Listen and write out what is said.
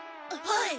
はい。